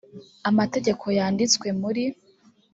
amategeko yanditswe muri